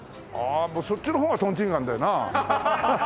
そっちの方がとんちんかんだよな。